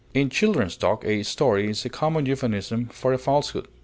In children's talk, a story is a common euphemism for a falsehood.